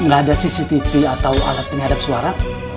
nggak ada cctv atau alat penyadap suara